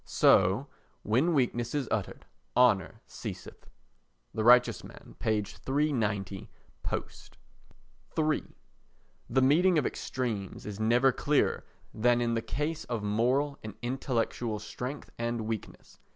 So "when weakness is utter, honour ceaseth." [The Righteous Man, p. 390, post.] iii The meeting of extremes is never clearer than in the case of moral and intellectual strength and weakness.